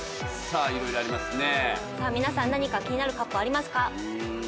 さあ皆さん何か気になるＣＵＰありますか？